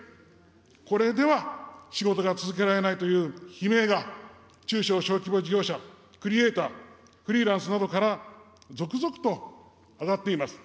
これでは仕事が続けられないという悲鳴が、中小・小規模事業者、クリエーター、フリーランスなどから続々と上がっています。